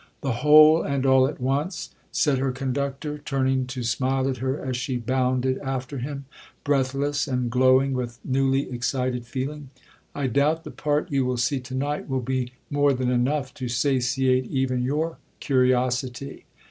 'The whole, and all at once!' said her conductor, turning to smile at her as she bounded after him, breathless and glowing with newly excited feeling. 'I doubt the part you will see to night will be more than enough to satiate even your curiosity.'